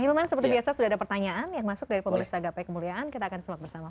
kita akan silap bersama